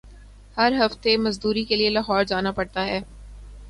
ہر ہفتے مزدوری کیلئے لاہور جانا پڑتا ہے۔